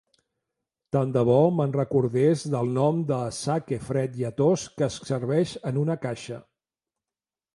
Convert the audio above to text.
Tant de bo me'n recordés del nom de sake fred lletós que es serveix en una caixa.